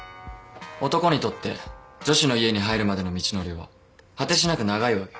男にとって女子の家に入るまでの道のりは果てしなく長いわけ。